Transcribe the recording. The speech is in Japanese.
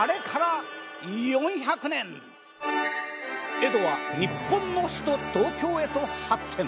江戸は日本の首都東京へと発展。